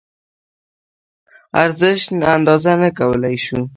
ارزش اندازه نه کولی شو.